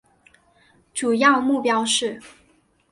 主要目标是